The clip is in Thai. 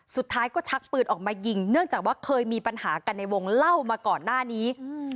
สุดท้ายก็ชักปืนออกมายิงเนื่องจากว่าเคยมีปัญหากันในวงเล่ามาก่อนหน้านี้